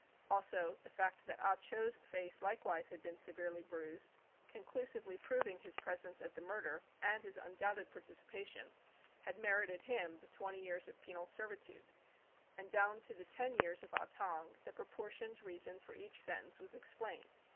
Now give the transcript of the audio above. Also, the fact that Ah Cho's face likewise had been severely bruised, conclusively proving his pres ence at the murder and his undoubted partici pation, had merited him the twenty years of THE CHINAGO 167 penal servitude. And down to the ten years of Ah Tong, the proportioned reason for each sentence was explained.